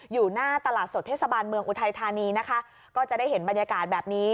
อยู่หน้าตลาดสดเทศบาลเมืองอุทัยธานีนะคะก็จะได้เห็นบรรยากาศแบบนี้